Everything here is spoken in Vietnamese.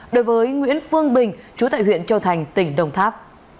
đối với nguyễn phương bình chú tại huyện châu thành tỉnh đồng tháp